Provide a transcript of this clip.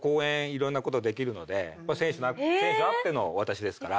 いろんなことできるので選手あっての私ですから。